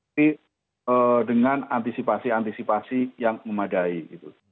tapi dengan antisipasi antisipasi yang memadai gitu